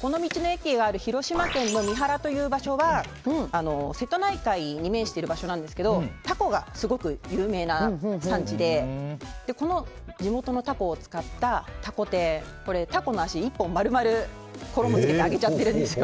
この道の駅がある広島県の三原という場所は瀬戸内海に面している場所なんですがタコがすごく有名な産地でこの地元のタコを使ったタコ天タコの足を１本丸々衣をつけて揚げちゃってるんです。